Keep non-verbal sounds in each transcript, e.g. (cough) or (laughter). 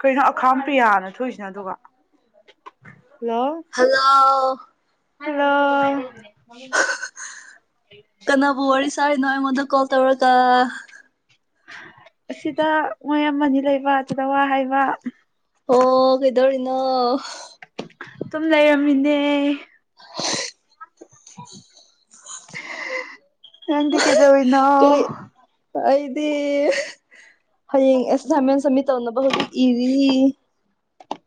ꯀꯩꯅꯩꯅꯣ ꯑꯈꯥꯡ ꯄꯤꯌꯥꯅ ꯊꯣꯏꯁꯤꯅ ꯑꯗꯨꯒ hello hello ꯍꯣꯏ ꯀꯅꯥꯕꯨ ꯋꯥꯔꯤ ꯁꯥꯔꯤꯅꯣ ꯑꯩꯉꯣꯟꯗ ꯀꯣꯜ ꯇꯧꯔꯒ ꯑꯁꯤꯗ ꯃꯣꯏ ꯑꯃꯅꯤ ꯂꯩꯕ ꯑꯗꯨꯗ ꯋꯥ ꯍꯥꯏꯕ ꯑꯣ ꯀꯩꯗꯧꯔꯤꯅꯣ ꯑꯗꯨꯝ ꯂꯩꯔꯝꯃꯤꯅꯦ ꯍꯗꯤ ꯀꯩꯗꯅꯥꯎ ꯀꯩ ꯑꯩꯗꯤ ꯍꯌꯦꯡ ꯑꯦꯁꯥꯏꯟꯃꯦꯟ ꯁꯃꯤꯠ ꯇꯧꯅꯕ ꯍꯧꯖꯤꯛ ꯏꯔꯤ ꯑ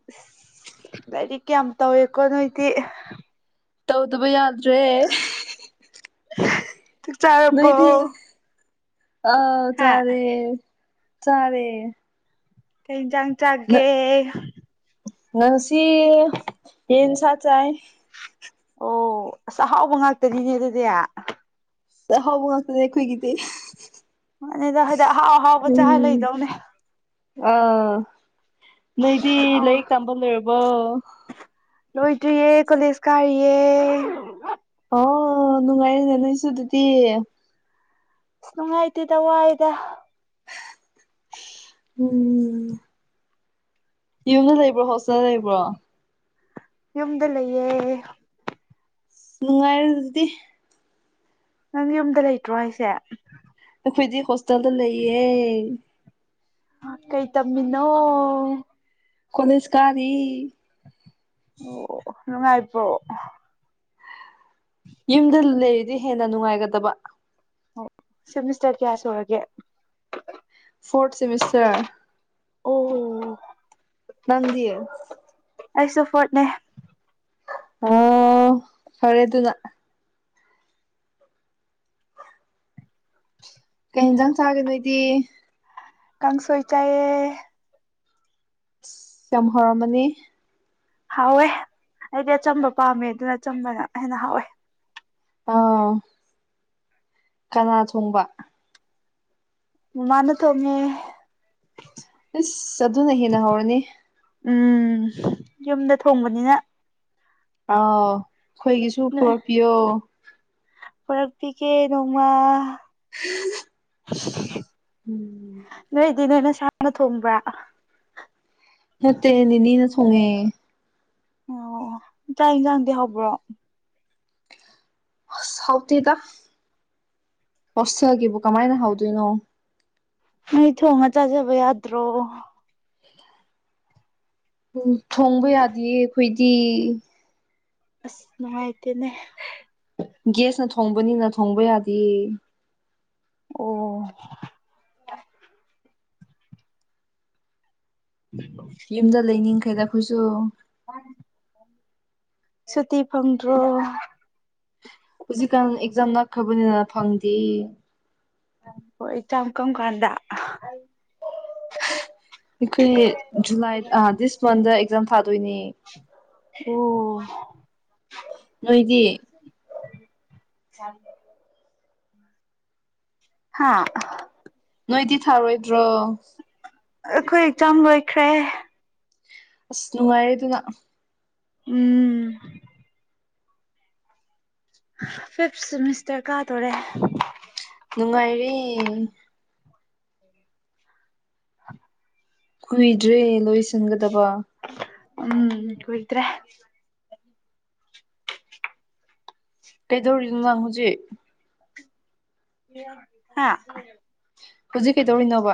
ꯂꯥꯏꯔꯤꯛꯌꯥꯝ ꯇꯧꯋꯦꯀꯣ ꯅꯣꯏꯗꯤ ꯇꯧꯗꯕ ꯌꯥꯗ꯭ꯔꯦ ꯇꯨ ꯆꯥꯄꯣ ꯑ ꯆꯔꯦ ꯆꯔꯦ ꯊꯖ ꯆꯒꯦ ꯅꯔꯁꯤ ꯌꯦꯟꯁ ꯆꯥꯏ ꯑꯣ ꯑꯁꯍꯥꯎꯕ ꯉꯥꯛꯇꯅꯤꯅꯦ ꯑꯗꯨꯗꯤ ꯍ ꯃꯥꯁꯦꯣꯏꯗꯤ ꯃꯅꯤꯗ ꯍꯥꯏꯗꯤ ꯑꯍꯥꯎ ꯑꯍꯥꯎꯕ ꯆꯍꯥꯎ ꯎꯝ ꯂꯩꯗꯧꯅꯦ ꯑꯥ ꯅꯣꯏꯗꯤ ꯑꯍꯥꯎ ꯂꯥꯏꯔꯤꯛ ꯇꯝꯕ ꯂꯣꯏꯔꯕꯣ ꯂꯣꯏꯗ꯭ꯔꯤꯌꯦ ꯀꯣꯂꯦꯖ ꯀꯥꯔꯤꯌꯦ ꯑꯣ ꯅꯨꯡꯉꯥꯏꯅꯦ ꯂꯣꯏꯁꯨ ꯑꯗꯨꯗꯤ ꯑ ꯅꯨꯡꯉꯥꯏꯇꯦꯗ ꯋꯥꯏꯗ ꯎꯝ ꯌꯨꯝꯗ ꯂꯩꯕ꯭ꯔꯣ ꯍꯣꯁꯇꯦꯜꯗ ꯂꯩꯕ꯭ꯔꯣ ꯌꯨꯝꯗ ꯂꯩꯌꯦ ꯅꯨꯡꯉꯥꯏꯔ ꯑꯗꯨꯗꯤ ꯅꯪ ꯌꯨꯝꯗ ꯂꯩꯇ꯭ꯔꯣ ꯍꯥꯏꯁꯦ ꯑꯩꯈꯣꯏꯗꯤ ꯍꯣꯁꯇꯦꯜꯗ ꯂꯩꯌꯦ ꯑ ꯀꯩ ꯇꯝꯕꯅꯣ ꯀꯣꯅꯤꯁ ꯀꯥꯔꯤ ꯑꯣ ꯂꯉꯥꯏꯄꯣ ꯌꯨꯝꯗ ꯂꯩꯔꯤꯗꯤ ꯍꯦꯟꯅ ꯅꯨꯡꯉꯥꯏꯒꯗꯕ ꯍꯣꯏ ꯁꯦꯃꯤꯁꯇ꯭ꯔ ꯀꯌꯥꯥ ꯁꯨꯔꯒꯦ ꯐꯣꯔꯠ ꯁꯦꯃꯤꯁ꯭ꯔ ꯑꯣ ꯅꯪꯗꯤ ꯑꯩꯁꯨ ꯐꯣꯔꯠꯅꯦ ꯍꯣ ꯐꯔꯦ ꯑꯗꯨꯅ ꯀꯩ ꯏꯟꯖꯥꯡ ꯆꯥꯒꯦ ꯅꯣꯏꯗꯤ ꯀꯥꯡꯁꯣꯏ ꯆꯥꯏꯌꯦ ꯌꯥꯝ ꯍꯥꯎꯔꯝꯃꯅꯤ ꯍꯥꯎꯋꯦ ꯑꯩꯗꯤ ꯑꯆꯝꯕ ꯄꯥꯝꯃꯦ ꯑꯗꯨꯅ ꯑꯆꯝꯕꯅ ꯍꯦꯟꯅ ꯍꯥꯎꯋꯦ ꯇꯧꯋꯣ ꯀꯅꯥ ꯊꯣꯡꯕ ꯃꯃꯥꯅ ꯊꯣꯡꯉꯦ ꯏꯁ ꯑꯗꯨꯅ ꯍꯦꯟꯅ ꯍꯥꯎꯔꯅꯤ ꯎꯝ ꯌꯨꯝꯗ ꯊꯣꯡꯕꯅꯤꯅ ꯑꯥꯎ ꯑꯈꯣꯏꯒꯤꯁꯨ ꯄꯨꯔꯛꯄꯤꯌꯣ ꯄꯨꯔꯛꯄꯤꯒꯦ ꯅꯣꯡꯃꯥ (unintelligible) (unintelligible) ꯎꯝ ꯅꯣꯏꯗꯤ ꯅꯣꯏ ꯅꯁꯥꯅ ꯊꯣꯡꯕ꯭ꯔꯥ ꯅꯠꯇꯦ ꯅꯤꯅꯦꯅ ꯊꯣꯡꯉꯦ ꯑꯣ ꯑꯣ ꯆꯥꯛ ꯏꯟꯖꯥꯡꯗꯤ ꯍꯥꯎꯕ꯭ꯔꯣ ꯑꯁ ꯍꯥꯎꯇꯦꯗꯥ ꯍꯣꯁꯇꯦꯜꯒꯤꯕꯨ ꯀꯃꯥꯏꯅ ꯍꯥꯎꯗꯣꯏꯅꯣ ꯅꯣꯏ ꯊꯣꯡꯉ ꯆꯥꯖꯕ ꯌꯥꯗ꯭ꯔꯣ ꯎꯝ ꯊꯣꯡꯕ ꯌꯥꯗꯤꯌꯦ ꯑꯩꯈꯣꯏꯗꯤ ꯑꯁ ꯅꯨꯡꯉꯥꯏꯇꯦꯅꯦ ꯒꯦꯁꯅ ꯊꯣꯡꯕꯅꯤꯅ ꯊꯣꯡꯕ ꯌꯥꯗꯤꯌꯦ ꯑꯣ (inaudible) ꯌꯨꯝꯗ ꯂꯩꯅꯤꯡꯈ꯭ꯔꯦꯗ ꯑꯩꯈꯣꯏꯁꯨ ꯁꯨꯇꯤ ꯐꯪꯗ꯭ꯔꯣ ꯍꯧꯖꯤꯛꯀꯥꯟ ꯑꯦꯛꯖꯥꯝ ꯅꯛꯈ꯭ꯔꯕꯅꯤꯅ ꯐꯪꯗꯦ ꯑꯣ ꯑꯦꯛꯖꯥꯝ ꯀꯔꯝ ꯀꯥꯟꯗ ꯑꯩꯈꯨꯏ ꯖꯨꯂꯥꯏ ꯑ ꯗꯤꯁ ꯃꯟꯗ ꯑꯦꯛꯖꯥꯝ ꯊꯥꯗꯣꯏꯅꯦ ꯑꯣ ꯅꯣꯏꯗꯤ (inaudible) ꯍꯥꯥ ꯅꯣꯏꯗꯤ ꯊꯥꯔꯣꯏꯗ꯭ꯔꯣ ꯑꯩꯈꯣꯏ ꯑꯦꯛꯖꯥꯝ ꯂꯣꯏꯈ꯭ꯔꯦ ꯑꯁ ꯅꯨꯡꯉꯥꯏꯔꯦ ꯑꯗꯨꯅ ꯎꯝ ꯐꯤꯞ ꯁꯤꯃꯤꯁꯇ꯭ꯔ ꯀꯥꯗꯣꯔꯦ ꯅꯨꯡꯉꯥꯏꯔꯦ (inaudible) ꯀꯨꯏꯗ꯭ꯔꯦ ꯂꯣꯏꯁꯤꯟꯒꯗꯕ ꯎꯝ ꯀꯨꯏꯗ꯭ꯔꯦ ꯀꯩꯗꯧꯔꯤꯅꯣ ꯅꯪ ꯍꯧꯖꯤꯛ ꯍꯥꯥ ꯍꯧꯖꯤꯛ ꯀꯩꯗꯧꯔꯤꯅꯣꯕ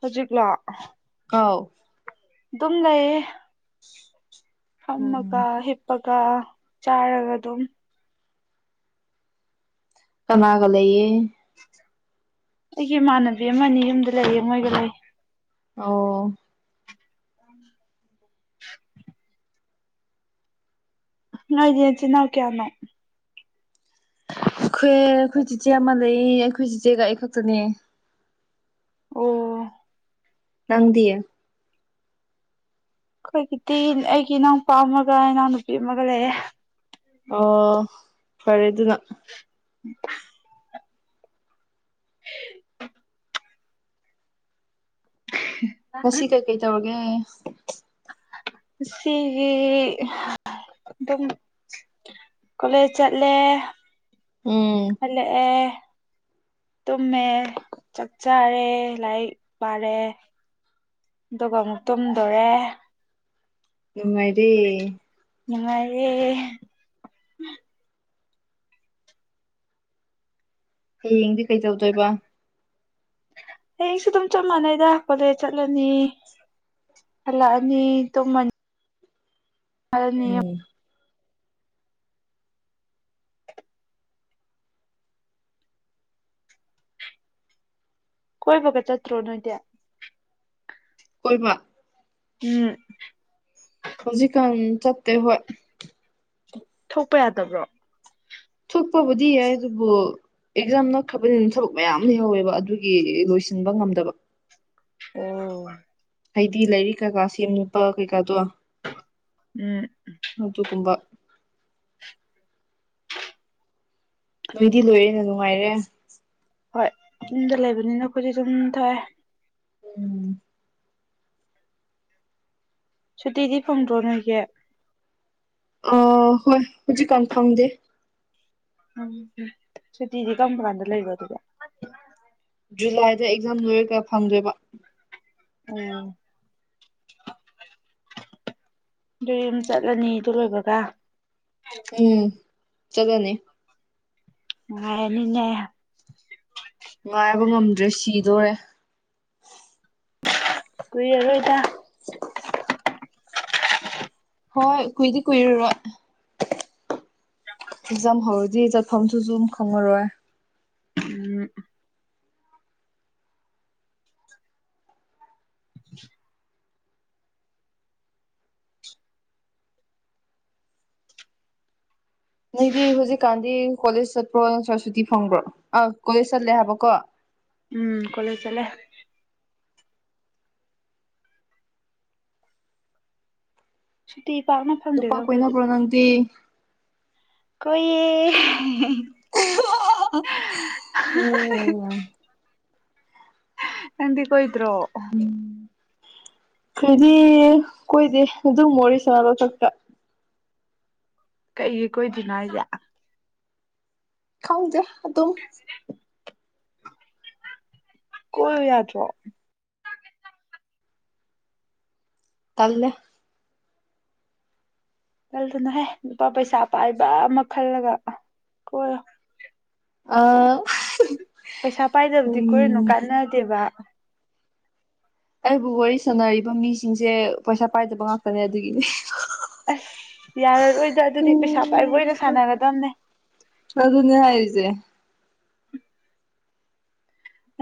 ꯍꯧꯖꯀꯥ ꯑꯥꯎ ꯗꯨꯝꯒꯏ ꯑꯃꯀ ꯎꯝ ꯍ ꯍꯥꯄꯒ ꯆꯥꯔꯒ ꯑꯗꯨꯝ ꯀꯅꯥꯒ ꯂꯩꯌꯦꯦ ꯑꯩꯒꯤ ꯏꯃꯥꯟꯅꯕꯤ ꯑꯃꯅꯤ ꯌꯨꯝꯗ ꯂꯩꯌꯦ ꯃꯣꯏꯒ ꯂꯩ ꯑꯣ ꯎ ꯑ ꯆ ꯆꯆꯤꯟ ꯅꯀꯦꯅꯣ ꯑꯩꯈꯣꯏ ꯑꯩꯈꯣꯏ ꯆꯤꯆꯦ ꯑꯃ ꯂꯩꯌꯦ ꯑꯩꯈꯣꯏ ꯆꯤꯆꯦꯒ ꯑꯩ ꯈꯛꯇꯅꯦ ꯑꯣ ꯅꯪꯗꯤꯌꯦ ꯑꯩꯈꯣꯏꯒꯤꯗꯤ ꯑꯩꯒꯤ ꯏꯅꯥꯎ ꯅꯨꯄꯥ ꯑꯃꯒ ꯏꯅꯥꯎ ꯅꯨꯄꯤ ꯑꯃꯒ ꯂꯩꯌꯦꯦ ꯑꯣ ꯐꯔꯦ ꯑꯗꯨꯅ ꯎ (unintelligible) ꯑꯣ ꯉꯁꯤ ꯀꯩꯀꯩ ꯇꯧꯔꯒꯦ ꯁꯤꯒꯤ ꯑꯗꯨꯝ ꯀꯂꯦꯖꯠꯂꯦ ꯎꯝ ꯑꯂꯦꯦ ꯇꯨꯝꯃꯦ ꯆꯥꯛ ꯆꯥꯔꯦ ꯂꯥꯏꯔꯤꯛ ꯄꯥꯔꯦ ꯑꯗꯨꯒ ꯑꯃꯨꯛ ꯇꯨꯝꯗꯣꯔꯦ ꯑꯗꯨ ꯃꯗꯤ ꯅꯨꯡꯉꯥꯏꯌꯦ ꯍꯌꯦꯡꯗꯤ ꯀꯩ ꯇꯧꯗꯣꯏꯕ ꯍꯌꯦꯡꯁꯨ ꯑꯗꯨꯝ ꯆꯞ ꯃꯥꯟꯅꯩꯗ ꯀꯣꯂꯦꯖ ꯆꯠꯂꯅꯤ ꯍꯜꯂꯛꯑꯅꯤ ꯇꯨꯝꯃꯅꯤ ꯑꯗꯅꯤ ꯎꯝ ꯀꯣꯏ ꯐꯒꯠ ꯆꯠꯇ꯭ꯔꯣ ꯅꯣꯏꯗ ꯑꯣꯏꯣꯏꯃ ꯎꯝ ꯍꯧꯖꯤꯛꯀꯥꯟ ꯆꯠꯇꯦ ꯍꯣꯏ ꯊꯣꯛꯄ ꯌꯥꯗꯕ꯭ꯔꯣ ꯊꯣꯛꯄꯕꯨꯗꯤ ꯌꯥꯏ ꯑꯗꯨꯕꯨ ꯑꯦꯛꯖꯥꯝ ꯅꯈ꯭ꯔꯕꯅꯤꯅ ꯊꯕꯛ ꯃꯌꯥꯝ ꯂꯩꯍꯧꯋꯦꯕ ꯑꯗꯨꯒꯤ ꯂꯣꯏꯁꯤꯟꯕ ꯉꯝꯗꯕ ꯑꯣ ꯍꯥꯏꯗꯤ ꯂꯥꯏꯔꯤꯛ ꯀꯥꯀꯥ ꯁꯦꯝ ꯅꯨꯄꯥ ꯀꯩꯀꯥꯗꯣ ꯎꯝ ꯑꯗꯨꯒꯨꯝꯕ ꯅꯣꯏꯗꯤ ꯂꯣꯏꯔꯦꯅ ꯅꯨꯡꯉꯥꯏꯔꯦ ꯍꯣꯏ ꯌꯨꯝꯗ ꯂꯩꯕꯅꯤꯅ ꯑꯩꯈꯣꯏꯗꯤ ꯑꯗꯨꯝ ꯊꯣꯛꯑꯦ ꯎꯝ ꯁꯨꯇꯤꯗꯤ ꯐꯪꯗ꯭ꯔꯣ ꯅꯣꯏꯒꯤ ꯑ ꯍꯣꯏ ꯍꯧꯖꯤꯛ ꯀꯥꯟ ꯐꯪꯗꯦ ꯎꯝ ꯁꯨꯇꯤꯗꯤ ꯀꯔꯝ ꯀꯥꯟꯗ ꯂꯩꯕ ꯑꯗꯨꯒ ꯖꯨꯂꯥꯏꯗ ꯑꯦꯛꯖꯥꯝ ꯂꯣꯏꯔꯒ ꯐꯪꯗꯣꯏꯕ ꯎꯝ ꯑꯗꯨꯗꯤ ꯌꯨꯝ ꯆꯠꯂꯅꯤ ꯑꯗꯨ ꯂꯣꯏꯕꯒ ꯎꯝ ꯆꯠꯂꯅꯤ ꯅꯨꯉꯥꯏꯔꯅꯤꯅꯦ ꯉꯥꯏꯕ ꯉꯝꯗ꯭ꯔꯦ ꯁꯤꯗꯣꯔꯦ ꯀꯨꯏꯔꯔꯣꯏꯗ (unintelligible) ꯍꯣꯏ ꯀꯨꯏꯗꯤ ꯀꯨꯏꯔꯨꯔꯣ ꯑꯦꯛꯖꯥꯝ ꯍꯧꯔꯗꯤ ꯆꯠꯐꯝꯗꯨꯁꯨ ꯈꯪꯉꯔꯣꯏ ꯎꯝ (unintelligible) ꯅꯪꯗꯤ ꯍꯧꯖꯤꯛꯀꯥꯟꯗꯤ ꯀꯣꯂꯦꯖ ꯆꯠꯄ꯭ꯔꯣ ꯅꯠꯇꯔ ꯁꯨꯇꯤ ꯐꯪꯕ꯭ꯔꯣ ꯑ ꯀꯣꯂꯦꯖ ꯆꯠꯂꯦ ꯍꯥꯏꯕꯀꯣ ꯎꯝ ꯀꯣꯂꯦꯖ ꯆꯠꯂꯦ ꯁꯨꯇꯤ ꯄꯥꯛꯅ ꯅꯨꯄꯥ ꯐꯪꯗꯦꯗ ꯑꯩꯈꯣꯏꯗꯤ ꯀꯣꯏꯅꯕ꯭ꯔꯣ ꯅꯪꯗꯤ ꯀꯣꯏꯌꯦ (unintelligible) ꯅꯪꯗꯤ ꯀꯣꯏꯗ꯭ꯔꯣ (unintelligible) ꯀꯣꯏꯗꯦ ꯑꯗꯨꯝ ꯋꯥꯔꯤ ꯁꯥꯕ ꯈꯛꯇ ꯀꯩꯒꯤ ꯀꯣꯏꯗꯔꯤꯅꯣ ꯍꯥꯏꯁꯦ ꯈꯪꯗꯦ ꯑꯗꯨꯝ ꯀꯣꯏꯌꯨ ꯌꯥꯗ꯭ꯔꯣ ꯇꯜꯂꯦ ꯇꯟꯂꯨꯅꯨꯍꯦ ꯅꯨꯄꯥ ꯄꯩꯁꯥ ꯄꯥꯏꯕ ꯑꯃ ꯈꯜꯂꯒ ꯀꯣꯏꯌꯣ ꯑ ꯄꯩꯁꯥ ꯄꯥꯏꯗꯕꯗꯤ ꯀꯣꯏꯔꯨꯅꯨ ꯀꯥꯟꯅꯗꯦꯕ ꯑꯩꯕꯨ ꯋꯥꯔꯤ ꯁꯥꯟꯅꯔꯤꯕ ꯃꯤꯁꯤꯡꯁꯦ ꯄꯩꯁꯥ ꯄꯥꯏꯗꯕ ꯉꯥꯛꯇꯅꯦ ꯑꯗꯨꯒꯤꯅꯦ ꯑꯁ ꯌꯥꯔꯔꯣꯏꯗ ꯑꯗꯨꯗꯤ ꯄꯩꯁꯥ ꯄꯥꯏꯕ ꯑꯣꯏꯅ ꯁꯥꯟꯅꯒꯗꯝꯅꯦ ꯑꯗꯨꯅꯦ ꯍꯥꯏꯖꯦ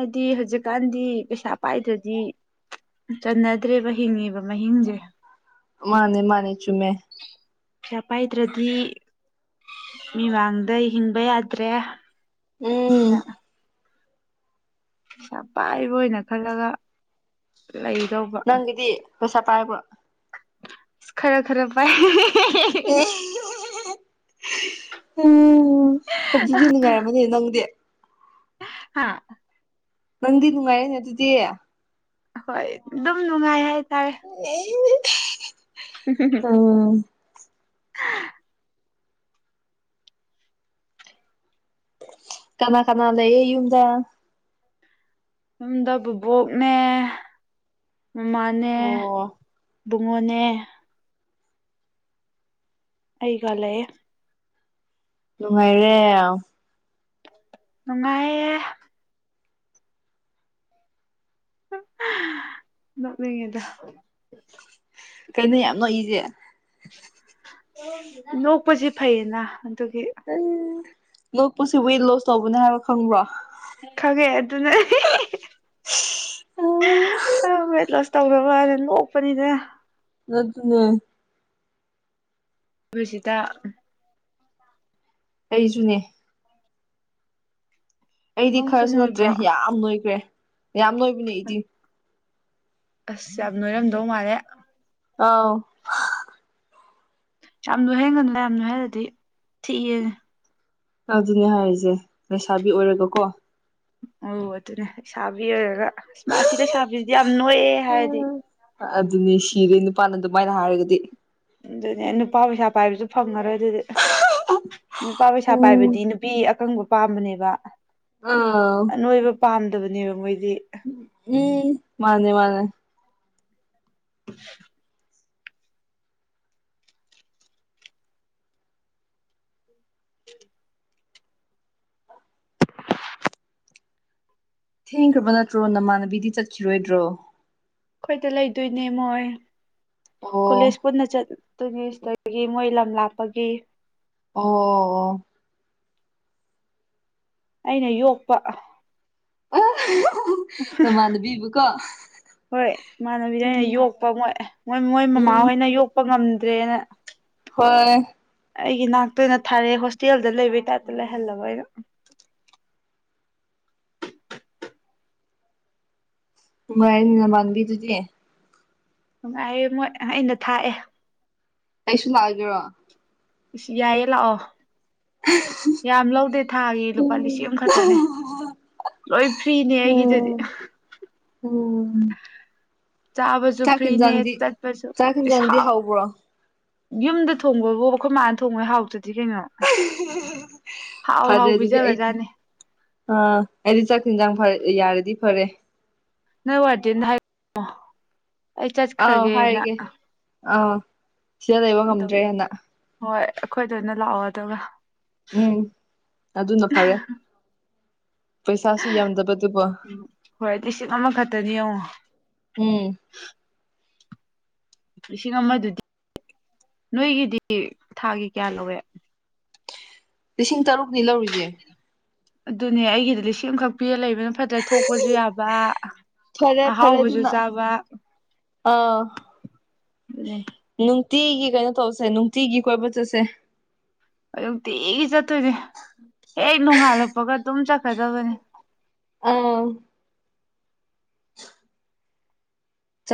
ꯍꯥꯏꯗꯤ ꯍꯧꯖꯤꯛꯀꯥꯟꯗꯤ ꯄꯩꯁꯥ ꯄꯥꯏꯗ꯭ꯔꯗꯤ ꯆꯟꯅꯗ꯭ꯔꯦꯕ ꯍꯤꯡꯉꯤꯕ ꯃꯍꯤꯡꯁꯦ ꯃꯥꯅꯦ ꯃꯥꯅꯦ ꯆꯨꯝꯃꯦ ꯄꯩꯁꯥ ꯄꯥꯏꯗ꯭ꯔꯗꯤ ꯃꯤꯃꯥꯡꯗ ꯍꯤꯡꯕ ꯌꯥꯗ꯭ꯔꯦ ꯎꯝ (unintelligible) ꯄꯩꯁꯥ ꯄꯥꯏꯕ ꯑꯣꯏꯅ ꯈꯜꯂꯒ ꯂꯩꯗꯧꯕ ꯅꯪꯒꯤꯗꯤ ꯄꯩꯁꯥ ꯄꯥꯏꯕ꯭ꯔꯣ ꯈꯔ ꯈꯔ ꯄꯥꯏ ꯑꯦ ꯎꯝ ꯑꯗꯨꯗꯤ ꯅꯨꯡꯉꯥꯏꯔꯝꯃꯅꯤ ꯅꯪꯗꯤ ꯍꯥꯥ ꯅꯪꯗꯤ ꯅꯨꯡꯉꯥꯏꯔꯦꯅꯦ ꯑꯗꯨꯗꯤ ꯍꯣꯏ ꯑꯗꯨꯝ ꯅꯨꯡꯉꯥꯏ ꯍꯥꯏꯇꯥꯔꯦ ꯑ ꯍ ꯍ ꯍꯨꯝ ꯀꯅꯥ ꯀꯅꯥꯗ ꯑꯦ ꯌꯨꯝꯗ ꯌꯨꯝꯗ ꯕꯨꯕꯣꯛꯅꯦ ꯃꯃꯥꯅꯦ ꯑꯣ ꯕꯨꯡꯉꯣꯟꯅꯦ ꯑꯩꯒꯂꯦ ꯅꯨꯡꯉꯥꯏꯔꯦ ꯅꯨꯡꯉꯥꯏꯑꯌꯦ ꯅ ꯃꯤꯉꯦꯗ ꯀꯩꯅꯣ ꯌꯥꯝ ꯅꯣꯛꯏꯁꯦ ꯅꯣꯛꯄꯁꯤ ꯐꯩꯌꯦꯅ ꯑꯗꯨꯒꯤ ꯎꯝ ꯉꯣꯛꯄꯁꯤ ꯋꯦꯠ ꯂꯣꯁ ꯇꯧꯕꯅꯦ ꯍꯥꯏꯕ ꯈꯪꯕ꯭ꯔꯣ ꯈꯪꯒꯦ ꯑꯗꯨꯅ ꯑ ꯄ꯭ꯂꯁ ꯇꯧꯔꯕ ꯍꯥꯏꯗ ꯅꯣꯛꯄꯅꯤꯗ (unintelligible) (unintelligible) ꯑꯩꯖꯨꯅꯦ ꯑꯩꯗꯤ ꯅꯪꯁꯨ ꯈꯔꯁꯨ ꯅꯠꯇ꯭ꯔꯦ ꯅꯣꯏꯕ꯭ꯔꯣ ꯌꯥꯝ ꯅ‌ꯣꯏꯒ‍꯭ꯔ‌‌ꯦ ꯌꯥꯝ ꯂꯣꯏꯕꯅꯦ ꯑꯩꯗꯤ ꯑꯁ ꯌꯥꯝ ꯅꯣꯏꯔꯝꯗꯧ ꯃꯥꯜꯂꯦ ꯑꯥꯎ ꯌꯥꯝ ꯅ‌ꯣꯏꯍꯟꯒꯅꯨ ꯌꯥꯝ ꯅ‌ꯣꯏꯍꯟꯂ ꯗꯤ ꯊꯤꯕꯅ‌ꯦ ꯑꯗꯨꯅꯦ ꯍꯥꯏꯖ‌ꯦ ꯂꯩꯁꯥꯕꯤ ꯑꯣꯏꯔꯒ ꯀꯣ ꯑꯝ ꯑꯗꯨꯅꯦ ꯁꯥꯥꯕꯤ ꯑꯣꯏꯔꯒ ꯏꯁ ꯑꯁꯤ ꯂꯩꯁꯥꯥꯕꯤꯁꯤꯗꯤ ꯌꯥꯝ ꯅꯣꯏꯑꯦ ꯍꯥꯏꯔꯗꯤ ꯑꯗꯨꯅꯤ ꯁꯤꯔꯦ ꯅꯨꯄꯥꯅ ꯑꯗꯨꯃꯥꯏꯅ ꯍꯥꯏꯔꯒꯗꯤ ꯑꯗꯨꯅꯦ ꯅꯨꯄꯥ ꯄꯩꯁꯥ ꯄꯥꯏꯕꯁꯨ ꯐꯪꯉꯔꯣꯏ ꯑꯗꯨꯗꯤ ꯅꯨꯄꯥ ꯄꯩꯁꯥ ꯎꯝ ꯄꯥꯏꯕꯗꯤ ꯅꯨꯄꯤ ꯑꯀꯪꯕ ꯄꯥꯝꯕꯅꯦꯕ ꯑꯥ ꯑ ꯅ‌ꯣꯏꯕ ꯄꯥꯝꯗꯕꯅꯦꯕ ꯃꯣꯏꯗꯤ ꯎꯝ ꯃꯥꯅꯦ ꯃꯥꯅꯦ (inaudible) ꯊꯦꯡꯈ꯭ꯔꯕ ꯅꯠꯇ꯭ꯔꯣ ꯅꯃꯥꯟꯅꯕꯤꯗꯤ ꯆꯠꯈꯤꯔꯣꯏꯗ꯭ꯔꯣ ꯑꯩꯈꯣꯏꯗ ꯂꯩꯗꯣꯏꯅꯦ ꯃꯣꯏ ꯑꯣ ꯀꯣꯂꯦꯖ ꯄꯨꯟꯅ ꯆꯠꯇꯣꯏꯅꯦ ꯁꯤꯗ ꯕꯒꯤ ꯃꯣꯏ ꯂꯝ ꯂꯥꯞꯄꯒꯤ ꯑꯣ ꯑꯣ ꯑꯣ ꯑꯩꯅ ꯌꯣꯛꯄ (unintelligible) ꯅꯃꯥꯟꯅꯕꯤꯕꯨꯀꯣ ꯍꯣꯏ ꯏꯃꯥꯟꯅꯕꯤꯗ ꯑꯩꯅ ꯎꯝ ꯌꯣꯛꯄꯣꯏ ꯃꯣꯏ ꯃꯣꯏ ꯎꯝ ꯃꯃꯥꯍꯣꯏꯅ ꯌꯣꯛꯄ ꯄ ꯉꯝꯗ꯭ꯔꯦꯅ ꯍꯣꯏ ꯑꯩꯒꯤ ꯅꯥꯛꯇ ꯑꯣꯏꯅ ꯊꯥꯔꯛꯑꯦ ꯍꯣꯁꯇꯦꯜꯗ ꯂꯩꯕꯒꯤ ꯇꯥꯏꯞꯇ ꯂꯩꯍꯜꯂꯕ ꯑꯩꯅ ꯄꯨꯉꯥꯏ ꯌꯅꯤ ꯅꯃꯥꯟꯅꯕꯤ ꯗꯨꯗꯤ ꯅꯨꯡꯉꯥꯏꯌꯦ ꯃꯣꯏ ꯑꯩꯅ ꯊꯥꯛꯑꯦ ꯑꯁꯨ ꯂꯥꯛꯑ ꯒ‌ꯦꯔ‌ꯣ ꯌꯥꯏꯌꯦ ꯂꯥꯛꯑꯣ (unintelligible) ꯌꯥꯝ ꯂꯧꯗꯦ ꯊꯥꯒꯤ ꯂꯨꯄꯥ ꯂꯤꯁꯤꯡ ꯎꯝ ꯑꯃꯈꯛꯇꯅꯦ ꯂꯣꯏ ꯐ꯭ꯔꯤꯅꯦ ꯑꯩꯒꯤꯗꯗꯤ ꯑꯣꯝ ꯆꯥꯕꯁꯨ ꯆꯥꯛ ꯐ꯭ꯔꯤꯅꯦ ꯍ‌ꯦꯟꯖꯥꯡꯗꯤ ꯆꯠꯄꯁꯨ ꯆꯥꯛ ꯏꯁ ꯍ‌ꯦꯟꯖꯥꯡꯗꯤ ꯍꯥꯎꯕ꯭ꯔꯣ ꯌꯨꯝꯗ ꯊꯣꯡꯕꯕꯨ ꯑꯩꯈꯣꯏ ꯃꯥꯅ ꯊꯣꯡꯕꯣꯏ ꯍꯥꯎꯇꯗꯤ ꯀꯩꯅꯣ ꯍꯥꯎ ꯐꯔꯦ ꯍꯥꯎ ꯑꯗꯨꯗꯤ ꯑꯩ ꯄꯤꯖꯒꯖꯥꯅꯦ ꯑꯥ ꯑꯩꯗꯤ ꯆꯥꯛ ꯏꯤꯟꯖꯥꯡ ꯐꯔ ꯌꯥꯔꯗꯤ ꯐꯔꯦ ꯅ ꯋꯥꯔꯗ‌ꯦꯅ ꯗ ꯍꯥꯏ ꯑꯩ ꯑꯥꯎ ꯆꯠꯈ꯭ꯔꯒꯦꯅ ꯍꯥꯏꯔꯒꯦ ꯑꯥꯎ ꯁꯤꯗ ꯂꯩꯕ ꯉꯝꯗ꯭ꯔꯦ ꯑꯗꯨꯒꯤ ꯍꯅ ꯍꯣꯏ ꯑꯩꯈꯣꯏꯗ ꯑꯣꯏꯅ ꯂꯥꯛꯑꯣ ꯑꯗꯨꯒ ꯎꯝ ꯑꯗꯨꯅ ꯐꯔꯦ ꯄꯩꯁꯥꯁꯨ ꯌꯥꯝꯗꯕꯗꯨꯕꯨ ꯎꯝ ꯍꯣꯏꯗꯤ ꯁꯤꯡ ꯑꯃꯈꯛꯇꯅ‌ꯦ ꯌꯦꯡꯉꯣ ꯎꯝ ꯂꯤꯁꯤꯡ ꯑꯃꯗꯨꯗꯤ ꯅꯣꯏꯒꯤꯗꯤ ꯊꯥꯒꯤ ꯀꯌꯥ ꯂꯧꯋꯦ ꯂꯤꯁꯤꯡ ꯇꯔꯨꯛꯅꯤ ꯂꯧꯔꯤꯁꯦ ꯑꯗꯨꯅꯦ ꯑꯩꯒꯤꯗꯤ ꯂꯤꯁꯤꯡ ꯑꯃꯈꯛ ꯄꯤꯔꯒ ꯂꯩꯕꯅ ꯐꯇꯔꯥ ꯊꯣꯛꯄꯖꯨ ꯌꯥꯕ ꯐꯔꯦ ꯐꯔꯦ ꯑꯍꯥꯎꯕꯆꯨ ꯑꯗꯨꯅ ꯆꯥꯕ ꯑꯥ ꯑꯗꯨ ꯅ‌‌ꯦ ꯅꯨꯡꯇꯤꯒꯤ ꯀꯩꯅꯣ ꯇꯧꯁꯦ ꯅꯨꯡꯇꯤꯒꯤ ꯀꯣꯏꯕ ꯆꯠꯁꯦ ꯍ‌‌ꯣꯏ ꯅꯨꯡꯇꯤꯒꯤ ꯆꯠꯇꯣꯏꯅꯦ ꯍꯦꯛ ꯅꯣꯡꯉꯥꯜ ꯂꯛꯄꯒ ꯑꯗꯨꯝ ꯆꯠꯈꯔꯗꯕꯅꯦ ꯑꯥꯎ